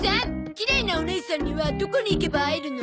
きれいなおねいさんにはどこに行けば会えるの？